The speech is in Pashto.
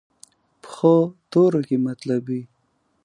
پخو تورو کې مطلب وي